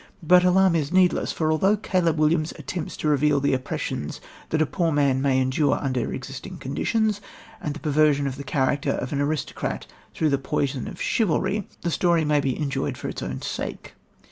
But alarm is needless; for, although Caleb Williams attempts to reveal the oppressions that a poor man may endure under existing conditions, and the perversion of the character of an aristocrat through the "poison of chivalry," the story may be enjoyed for its own sake.